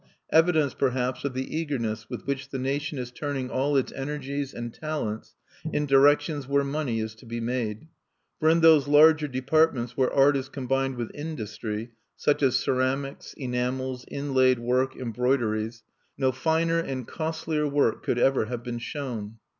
Evidence, perhaps, of the eagerness with which the nation is turning all its energies and talents in directions where money is to be made; for in those larger departments where art is combined with industry, such as ceramics, enamels, inlaid work, embroideries, no finer and costlier work could ever have been shown.